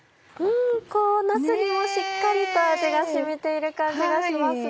なすにもしっかりと味が染みている感じがしますね。